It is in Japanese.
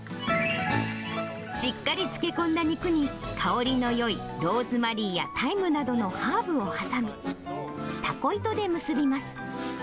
しっかり漬け込んだ肉に、香りのよい、ローズマリーやタイムなどのハーブを挟み、たこ糸で結びます。